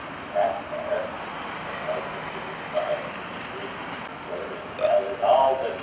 "That's better." But Nelson knew his triumph to be brief. "_Where in hell is Alden?